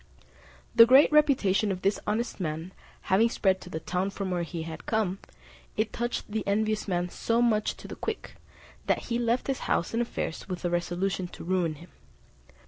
The great reputation of this honest man having spread to the town from whence he had come, it touched the envious man so much to the quick, that he left his house and affairs with a resolution to ruin him.